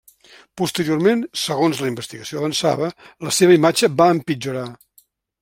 Posteriorment, segons la investigació avançava, la seva imatge va empitjorar.